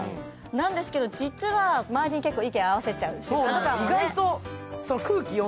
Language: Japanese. なんですけど実は周りに結構意見を合わせちゃう。